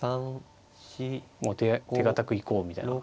もう手堅く行こうみたいな。